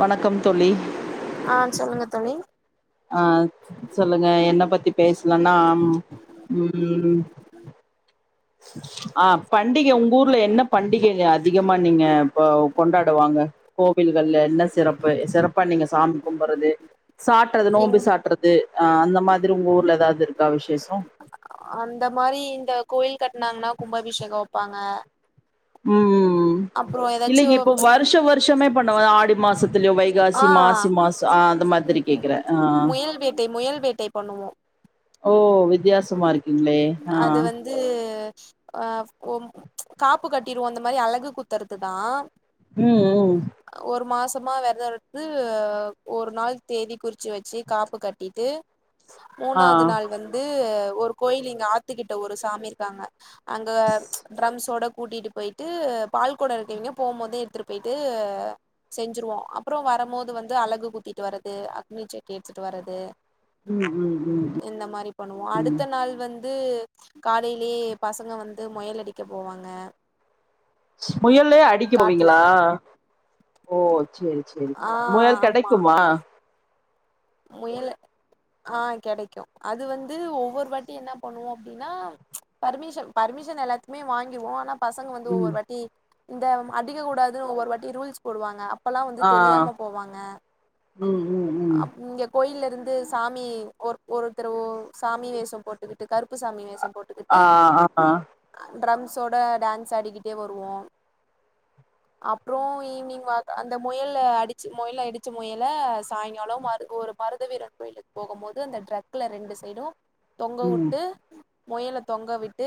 வணக்கம் தோழி ஆ சொல்லுங்க தோழி ஆ சொல்லுங்க என்ன பத்தி பேசலன்னா ம் ஆ பண்டிகை உங்க ஊர்ல என்ன பண்டிகை அதிகமா நீங்க இப்போ கொண்டாடுவாங்க கோவில்கள்ல என்ன சிறப்பு சிறப்பா நீங்க சாமி கும்பறது சா ட்றது நீங் நோம்பு சாட்டுறது அ அந்த மாதிரி உங்க ஊர்ல ஏதாவது இருக்கா விசேஷோ அந்த மாரி இந்த கோவில் கட்னாங்கன்னா கும்பாபிஷேகோ வைப்பாங்க ம் ம் ம் ஏதாச்சு இல்லைங்க இப்போ வருஷோ வருஷோமே பண்ணுவ ஆடி மாசத் துலயு ஆ வைகாசி மாசி மாசம் ஆ அந்த மாதிரி கேக்குற ஆ முயல் வேட்டை முயல் வேட்டை பண்ணுவோ ஓ வித்தியாசமா இருக்கீங்களே ஆ அது வந்து ஆ ஓம் காப்பு கட்டிருவோ அந்த மாரி அழகு குத்துறது தா ம் ம் ஒரு மாசமா வெரதோருந்து ஒரு நாள் தேதி குறிச்சு வச்சு காப்பு கட்டிட்டு மூணாவது நாள் வந் து ஒரு கோயில் இங்க ஆத்துக்கிட்ட ஒரு சாமி இருக்காங்க அங்க ஆ ட்ரம்ஸோட கூட்டிட்டு போயி ட்டு பால்குடம் எடுத்தீங்க போவு போது எடுத்துட்டு போயிட்டு செஞ்சுருவோ அப்றோ வரம்போது வந்து அழகு குத்திட்டு வர்றது அக்னிச்சட்டி எடுத்துட்டு வர்றது ம் ம் ம் ம் இந்த மாரி பண்ணுவோ அடுத்த நாள் வந்து காலையிலயே பசங்க வந்து முயல் அடிக்க போவாங்க முயலே அடிக்க காட்ல போவீங்களா ஓ சேரி சேரி ஆ சேரி முயல் கிடைக்குமா முயல ஆ கெடைக்கு அது வந்து ஒவ்வொரு வாட்டி என்ன பண்ணுவோ அப்டின்னா பர்மிஷன் பர்மிஷன் எல்லாத்துக்குமே வாங்கிறுவோ ஆனா பசங்க வந்து ம் ஒவ்வொரு வாட்டி இந்த அடிக்க கூடாதுன்னு ஒவ்வொரு வாட்டி ரூல்ஸ் போடுவாங்க அப் பல்லா வந்து ஆ தெரியாம போவாங்க ம் ம் ம் அப் இங்க கோயில இருந்து சாமி ஒரு ஒருத்தர் ஒ சாமி வேஷோ போட்டுக்கிட்டு கருப்பு சாமி வேஷோ போட் ஆ ஆஹா ட்ரம்ஸோட டான்ஸ் ஆடிக்கிட்டே வருவோம் அப்றோ ஈவி்னிங் வாக் அந்த முயல அடிச்ச முயல அடிச்ச முயல சாயங்காலோ மரு ஒரு மருத வீரன் கோயிலுக்கு போகும் போது அந்த ட்ரக்ல ரெண்டு சைடு தொங்க ம் விட்டு முயல தொங்க விட்டு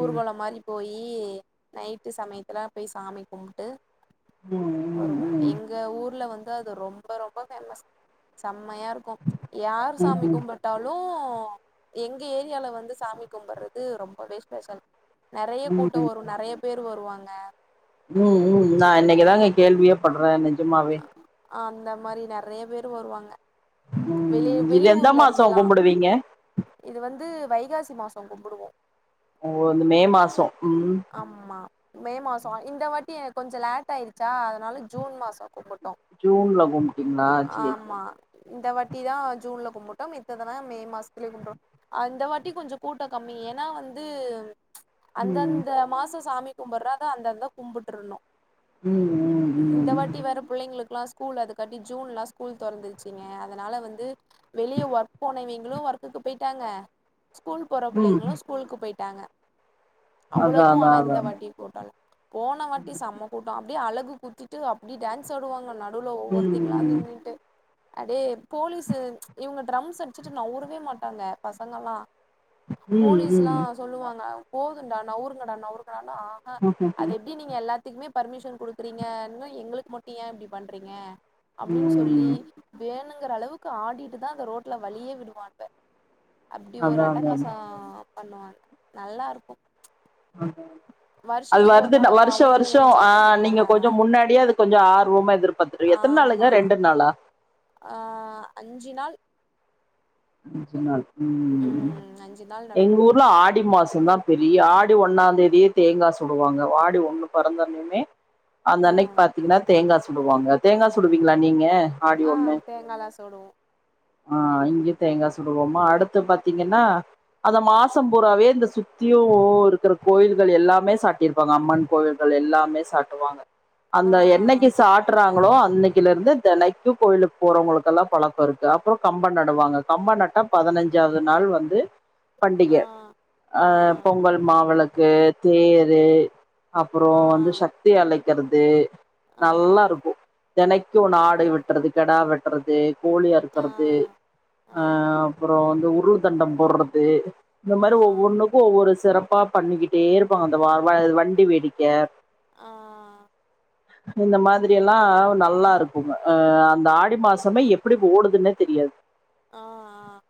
ஊர்வோலோ மாரி போயி நைட்டு சமயத்துல போய் சாமி கும்ட்டு ம் ம் வருவோ ம் எங்க ஊர்ல வந்து அது ரொம்ப ரொம்ப பேமஸ் செம்மையா இருக் கு யாரு சாமி ம் கும்பு ட்டாலூ எங்க ஏரியால வந்து சாமி கும்புடுறது ரொம்பவே ஸ்பெஷால் நெறைய ம் கூட்டோ வரு நெறைய பேரு வருவாங்க ம் ம் நா இன்னிக்கு தாங்க கேள்வியே பட்றே நெஜமாவே அந்த மாரி நெறையா பேரு வருவாங்க வெளி ம் இது எந்த வெளியூர்ல மாசோ இருந்தெல்லா கும்புடுவீங்க இது வந்து வைகாசி மாசோ கும்புடுவோ ஓ இந்த மே மாசோ ம் ஆமா மே மாசோ இந்த வாட்டி கொஞ்சோ லேட் ஆயிடுச்சா அதானால ஜூன் மாசோ கும்பிட்டோ ஜூன்ல கும்பிட்டீங்ளா சேரி சேரி இந்த வாட்டி தா ஜூன்ல கும்பிட்டோ மித்ததெல்லா மே மாசத்துலேயே கும்பிடுவோ அந்த வாட்டி கொஞ்சோ கூட்டோ கம்மி ஏன்னா வந்து ம் அந்தந்த மாசோ சாமி கும்புடுறத அந்தந்த கும்பிட்டுறணு ம் இந்த ம் ம் வாட்டி வேற புள்ளிங்களுக்கெல்லா ஸ்கூல் அதுக்காட்டி ஜூன் எல்லா ஸ்கூல் தெறந்திருச்சிங்க அதனால வந்து வெளிய ஒர்க் போனவிங்களு ஒர்க்குக்கு போயிட்டாங்க ஸ்கூல் போற ம் புள்ளைங்களு ஸ்கூலுக்கு போயிட்டாங்க அதா அவ்ளோக்கு அதா ஆனா அதா இந்த வாட்டி கூட்டோ இல்ல போன வாட்டி செம்ம கூட்டோ அப்டியே அழகு குத்திட்டு அப்டி டான்ஸ் ஆடுவாங்க நடுவுலோ ஒவ்வொருதிங்ளா ம் நின்னுட்டு அடே போலீசு இவங்க ட்ரம்ஸ் அடுச்சுட்டு நாவுரவே மாட்டாங்க பசங்கல்லா போலீஸ்லா ம் சொல்லுவாங்க போதுடா நவுருங்கடா நவுருங்கடா ஆஹ்ஹா ம் அது ம் எப்டி நீங்க எல்லாத்துக்குமே பர்மிஷன் குடுக்குறீங்கன்னு எங்களுக்கு மட்டு ஏ இப்டி பண்றீங்க அப்டின்னு சொல்லி ம் வேணுங்கற அளவுக்கு ஆடிட்டு தா அந்த ரோட்ல வழியே விடுவான்க அப்டி ஒரு அதா அதா அட்டகாசோ அதா பண்ணுவாங்க நல்லா இருக்கு அது வருஷத்துக்கு ஒரு வருது நாள் அப்புறம் வருஷோ அவங்களும் வருஷோ அ என்ஜாய் பண்ணும்ல நீங்க கொஞ்சோ முன்னாடியே அதுக் கொஞ்சோ ஆர்வமா எதிர்பார்த்த எத்தனாளுங்க ரெண்டு நாளா அ அஞ்சு நாள் ம் அஞ்சு நாள் [unintelligible] நடக்கும் எங்கூர் ஃபுல்லா ஆடி மாச தா பெரிய ஆடி ஒன்னா தேதியே தேங்கா சுடுவாங்க ஆடி ஒன்னு பொறந்தன்னுயுமே ஆ அந்தன்னைக்கு பாத்தீங்கன்னா தேங்கா சுடுவாங்க தேங்கா சுடுவீங்ளா நீங்க ஆடி ஆ ஒன்னு தேங்காலா சுடுவோம் அ இங்க தேங்கா‌ சுடுவோமா அடுத்து பாத்தீங்கன்னா அந்த மாச பூராவே இந்த சுத்தியு இருக்குற கோயில்கள் எல்லாமே சாட்டி இருக்கு ப்பங்க அம்மன் கோவில்கள் எல்லாமே சாட்டுவாங்க ஆ அந்த என்னைக்கு சாட்டுறாங் களே அன்னைக்குல இருந்து தெனைக்கு கோயிலுக்கு போறவங்களுக்கெல்லா பழக்கோ இருக்கு அப்றோ கம்ப‌ நடுவாங்க கம்ப நட்டா பதினஞ்சாவது நாள் வந்து பண்டிக ஆ ஆ பொங்கல் மாவெளக்கு தேரு அப்றோ ஆ வந்து சக்தி அழைக்கிறது ஆ நல்லா இருக்கு தெனைக்கு ஒன் ஆடை ம் வெட்டுறது கெடா வெட் ட்றது கோழி ஆ அருக்குறது ஆ அ அப்றோ வந்து உருள் தண்டோ போட்றது இந்த ஆ மாரி ஒவ்வொன்னுக்கு ஒவ்வொரு சிறப் ப்பா பண்ணிக்கிட்டே இருப்பாங்க அந்த வா வண்டி வேடிக்க அ இந்த மாதரி எல்லா நல்லா இருக்குங்க ஆ அந்த ஆடி மாசமே எப்டி ஓடுதுன்னே தெரியாது ஆ ஆ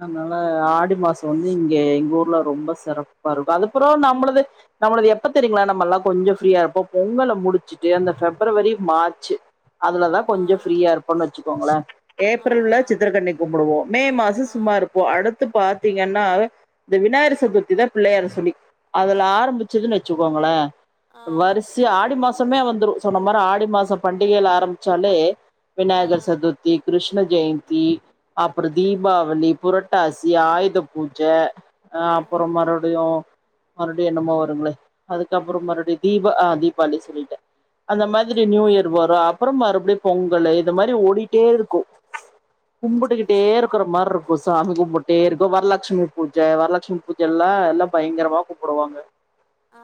அதனால ஆடி மாசோ வந்து இங்க எங்க ஊர்ல ரொம்ப சிறப்பா இருக்கு அதுப்புறோ நம்ளுது நம்ளது எப்ப தெரியுங்களா நம்ம எல்லா கொஞ்சோ ஃப்ரீயா இருப்போ பொங்கல முடிச்சுட்டு அந்த ஃபெப்ரவரி மார்ச்சு அதுலதா‌ ஆ ஆ கொஞ்சோ ஃப்ரீயா ஆ இருப்போன்னனு வச்சுக்கோங்களே ஏப்ரல்ல சித்தரக்கன்னி வோ மே மாச சும்மா இருப்போ அடுத்து பாத்தீங்கன்னா இந்த விநாயர் சதுர்த்தி தா பிள்ளையார்சுழி அதுல ஆரம்பிச்சதுன்னு வெச்சுக்கோங்களே ஆ ஆ வரிசையா ஆடி மாசமே வந்துரு சொன்ன மாரி ஆடி மாசோ பண்டிகைல ஆரம்பிச்சாலே ஆ விநாயகர் சதுர்த்தி கிருஷ்ண ஜெயந்தி அப்பறோ தீபாவளி புரட்டாசி ஆயுத பூஜ ஆ அப்பறோ மறுடியு மறுபடியு என்னமோ வருங்களே அதுக்கப்புறோ மறுபுறோ தீபா ஆ தீபாவளி சொல்லிட்டே‌ அந்த மாதிரி நியூ இயர் வரு அப்பறம் மறுபடியு பொங்கல்லு இது மாதிரி ஓடிட்டே இருக்கு கும்புட்டுக்கிட்டே இருப் க்குற மாரி இருக்கு சாமி கும்பிட்டே இருக்க வரலட்சுமி பூஜ வரலட்சுமி பூஜல்லா எல்லா பயங்கரமா கும்புடுவாங்க ஆ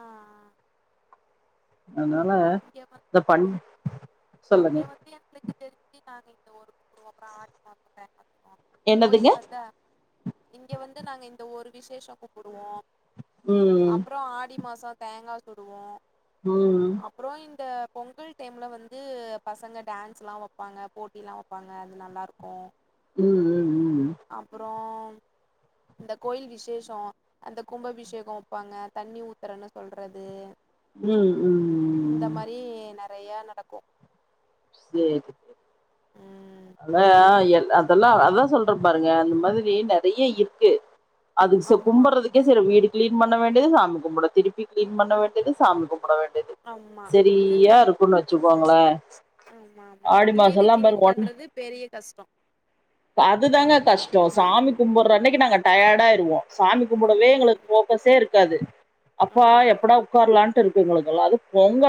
அதுனால இங்க இந்த பண் சொல்லுங்க இங்க வந்து எங்களுக்கு தெரிஞ்சு நாங்க இந்த ஒருர்க கொடுவோ அப்பற ஆடி மா [unintelligible] என்னதுங்க கோயில் வந்த இங்க வந்து நாங்க இந்த ஒரு விசேஷ கும்பிடுவோ ம் அப்பற ஆடி மாச தேங்கா சுடுவோ ம் அப்பற இந்த பொங்கல் டைம்ல வந்து பசங்க டான்ஸ்லா வப்பாங்க போட்டிலா வப்பாங்க அது நல்லாருக்கு ம் ம் அப்பறோ இந்த கோயில் விசேஷ அந்த கும்பாபிஷேக வப்பாங்க தண்ணி ஊத்துறன்னு சொல்றது ம் ம் இந்த மாரி நெறையா நடக்கு சேரி உம் ஆனா எ அதெல்லா அதா சொல்றே பாருங்க அந்த மாதிரி நெறைய இருக்கு அதுக்கு ச ஆமா கும்புறதுக் சேரி வீடு க்ளீன் பண்ண வேண்டியது சாமி கும்பட திருப்பி க்ளீன் பண்ண வேண்டியது சாமி கும்பட வேண் வேண்டியது ஆமா செரியா இருக்குன்னு வச்சுக்கோங்களே ஆமா ஆமா ஆடி வீடு மாசம்லா க்ளீன் பாருங்க ஒன் பண்றது பெரிய கஷ்ட அதுதாங்க கஷ்ட சாமி கும்பிற அன்னைக்கு நாங்க டயர்டாயிருவோ சாமி கும்பிடவே எங்களுக்கு ம் போக்கஸே இருக்காது அப்பா ஆமா ஆமா எப்படா உக்காரலான்ட்டு இருக்கு எங்களுக்கெல்லா அது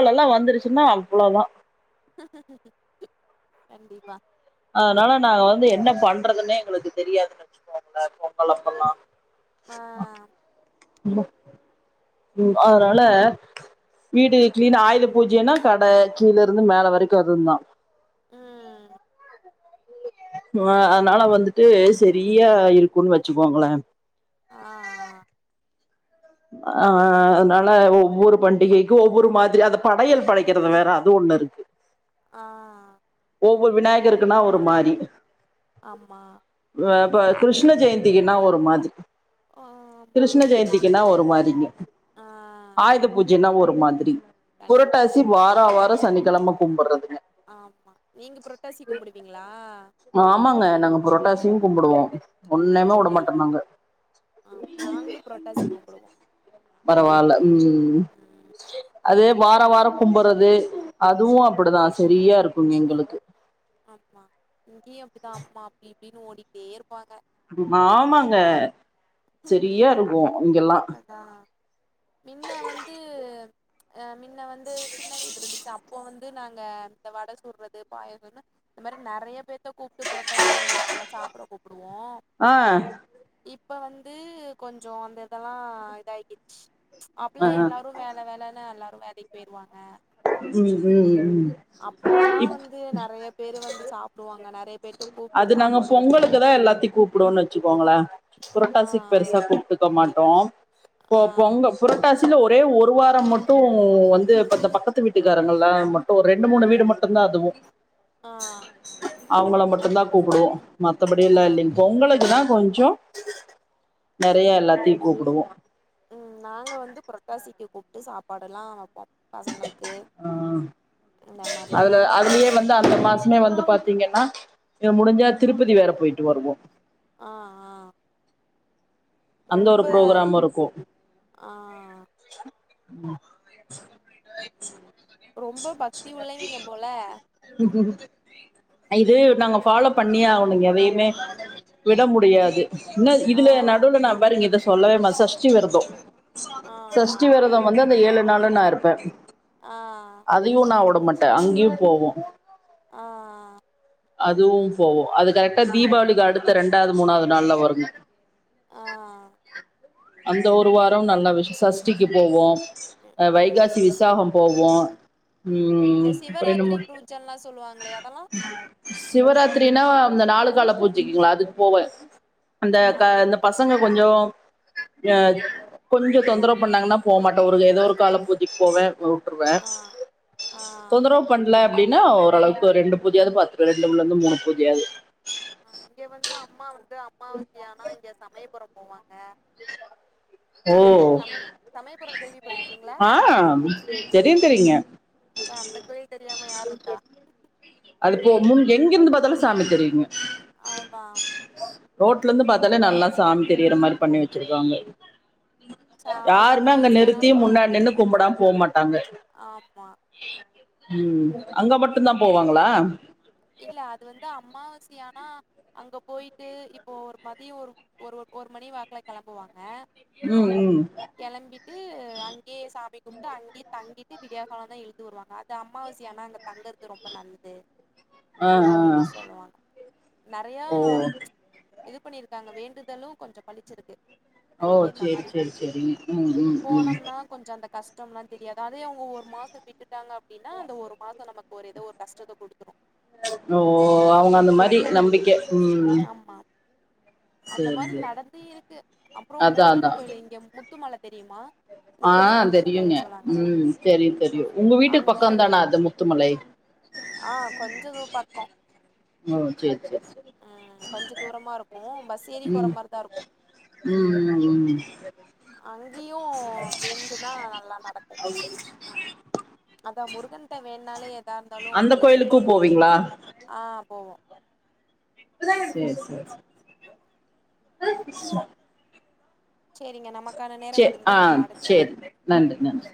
அ வந்துருச்சுன்னா அவ்ளோதா கண்டிப்பா அதனால நாங்க வந்து என்ன பண்றதுன்னே எங்களுக்கு தெரியாதுன்னு வச்சுக்கோங்களே பொங்கலப்பல்லா ஆ ம் அதனால வீடு க்ளீன் ஆயுத பூஜைன்னா கடை கீழ இருந்து மேலே வரைக்கு அதுந்தா ஆ அ அதனால வந்துட்டு செரியா இருக்குன்னு வச்சுக்கோங்களே ஆ ஆ ஆ அதனால ஒவ்வொரு பண்டிகைக்கு ஒவ்வொரு மாதிரி அந்த படையல் படைக்குறது வேற அது ஒண்ணு இருக்கு ஆ ஒவ்வொரு விநாயகருக்குன்னா ஒரு மாரி ஆமா ஆ இப்ப கிருஷ்ண ஜெயந்திக்குனா ஒரு மாதி ஆமா கிருஷ்ண ஜெயந்தி யன்னா ஒரு மாரிங்க ஆ ஆய்த பூஜைன்னா ஒரு மாதிரி. கண்டிப்பா புரட்டாசி வாரா வாரோ சனிக்கெழம கும்பட்றதுங்க. ஆம்மா நீங்க புரட்டாசி கும்புடுவிங்ளா? ஆமாங்க நாங்க புரட்டாசியு கும்புடுவோ. ந் ஒன்னுமே ந விட நா மாட்டோ நாங்க ஆம் நாங்ளு புரட்டாசி கும்புடுவோ. பரவால்ல ம் ம் அது வார வார கும்பறது. அதுவு ஆம் அப்புடுதா செரியா இருக்குங் எங்களுக்கு. ஆம்மா இங்கியு அப்டிதா அம்மா அப்டி இப்டின் ஓடிக்ட்டேருப்பாங்க. ம் ஆமங்க செரியாருக்கு இங்கெல்லா. அஹ மின்ன வந்து அ மின்ன வந்து சின்ன வீட்ரு ஞ்ச்சு அப்போ வந்து நாங்க இந்த வட சுட்றது பாயசன்னு இந்த மாரி நறைய பேத்த கூப்ட்டு புரட்டாசி அப்பல்லா சாப்ட கூப்புடுவோ. அ இப்ப வந்து கொஞ்சோ அந்த இதல்லா இதாய்க்கிச்சு ஆ அப்பல்லா எல்லாரு வேல வேலனு அல்லாரு வேலைக் போய்ருவாங்க. ம் ம் ம் ம். அப்போல்லா இப் வந்து நறைய பேரு வந்து சாப்புடுவாங்க நறையப் அது நாங்க பொங்கலுக்குதா எல்லாத்தி கூப்புடுவன் வெச்சுக்கோங்களே ஆ புரட்டாசிக் பெருசா கூப்டுக் ட மாட்டோம் பொ ஆ பொங்க புரட்டாசில ஒரே ஒரு வாரம் மட்டு வந்து இப்ப இந்த பக்கத்து வீட்டுக்காரங்கள்லா ம ட்டு ஒர் ரெண் மூணு வீடு மட்டுந்தா அதுவு. ஆ அவுங்கள மட்டுந்தா கூப்புடுவோ மத்தபடியெல்லா ஆ இல்லீங் பொங்கலுக்கு தா கொஞ்சோ நறைய எல்லாத்தியு கூப்புடுவோ. ம் நாங்க வந்து புரட்டாசிக்கு கூப்ட்டு சாப்பாடெல்லா வெப்போ பசங்கள் க்கு ஆ இந்த மாரி அதுல எல்லா அதுலயே வந்து அந்த மாசமே வந்து பாத்தீங்கன்னா அ முடிஞ்சா திருப்பதி வேற போய்ட்டு வருவோ. ஆ அ அந்த ஒரு ரொம்ப ப்ரோக்ராமுருக்கு ஆ ம். ரொம்ப பக்தி உள்ளவிங்கெ போல [unintelligible] அ இது நாங்க ஃபாலோ பண்ணி அவனு எதையுமே விட முடியாது என்ன ஆ இதுல நடுவுல நா பாருங்க இத சொல்லவே மா சஷ்டி வெரத ஆ சஷ்டி வெரத வந்து அந்த ஏழு நாளு நா இருப்பே ஆ அதையு நா விட மாட்டே அங்கயு போவோ ஆ அதுவும் போவோ அது கரெக்டா தீபாவளிக்கு அடுத்த ரெண்டாவ்து மூணாவ்து நாள்ல வருங்க ஆ அந்த ஒரு வார நல்ல விஷ சஷ்டிக்கு போவோ ம் அ வைகாசி ம் விசாகம் போவோ இந்த ம் ரெண்டு சிவராத்திரி மூணு பூஜன்லா சொல்லுவாங்களே அதெல்லா சிவராத்ரினா அந்த நாலு கால பூஜைக்குங்ளா அதுக்கு போவே அந்த ஆ கா இந்த சங்க கொஞ்ச அ கொஞ்ச தொந்தரவு பண்ணாங்கனா போகமாட்ட ஒரு எதோ ஒரு கால பூஜைக்கு போவே ம் ட்ருவே ஆ ஆ தொந்தரவு பண்லா அப்டினா ஓரளவுக்கு ரெண்டு பூஜையாது பாத்துருவே ரெண்டுல இருந்து மூணு பூஜையாது அ இங்க வந்து அம்மா வந்து அமாவாசையானா இங்கெ சமயபுரம் போவாங்க ஓ சமய சமயபுரம் கேள்விப்பட்டிருக்கீங்களா ஆ தெரியு தெரியுங்க அதா அந்த கோயில் தெரியாம யார்ருக்கா அதுபோ முன் எங்க இருந்து பார்த்தாலு சாமி தெரியுங்க ஆமா ரோட்ல இருந்து பாத்தாலே நல்லா சாமி தெரியுற மாரி பண்ணி வச்சிருக்காங்க ச யாருமே அங்க அம்மாவாசையானா நிறுத்தி முன்னாடி போயிட்டு நின்னு கும்புடாம போ மாட்டாங்க ஆமா உம் அங்க மட்டு தா போவாங்களா இல்ல அது வந்து அம்மாவாசியானா அங்க போயிட்டு இப்போ ஒரு மதியோ ஒரு ஒரு ஒரு மணி வாக்கல கிளம்புவாங்க ம் ம் கிளம்பிட்டு அங்கேயே சாமி கும்ட்டு அங்கேயே தங்கிட்டு விடியா கால தா எழுந்து வருவாங்க அது அமாவாசியானா அங்க தங்கறது ரொம்ப நல்லது ஆ அப்டின்னு ஆ சொல்லுவாங்க நறையா ஓ இது பண்ணிருக்காங்க வேண்டுதலு கொஞ்சோ பளிச்சிருக்கு ஓ சேரி சேரி சேரிங் போணம்னா கொஞ்ச அந்த கஷ்டம்ல்லா தெரியாது அதே அவங்க ஒரு மாச விட்டுட்டாங்க அப்டின்னா அந்த ஒரு மாச நமக்கு ஒரு எதோ ஒரு கஷ்டத்த கொடுத்துரு ஓ அவங்க அந்த மாரி நம்பிக்க உம் ஆமா அந்த மாரி நடந்து இருக்கு அப்பற அதான் முருகன் அதான் கோயில் இங்க முத்துமலை தெரியுமா இந்த ஆ பெரிய முருகன் தெரியுமே கோயில் சொல்லுவாங்களே உம் தெரியு தெரியு உங்க வீட்டு அங்கேயு பக்கோதான அந்த முத்துமலை ஆ கொஞ்சது பக்கோ உம் சேரி சேரி சேரி உம் கொஞ்ச தூரமா இருக்கு பஸ் ஏறி போற மாரிதா இருக்கு உம் உம் அங்கேயு வேண்டுனா நல்லா நடக்கு அதா முருகன்டா வேண்டுனாலே எதா இருந்தாலு அந்த பழிக்குன்னு கோயிலுக்கு சொல்லுவாங்க போவீங்களா ஆ போவோ சேரி சேரி சேரி சேரிங்க நமக் சேரி ஆ சேரி நன்றி நன்றி